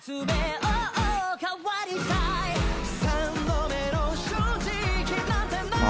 「三度目の正直なんて無い」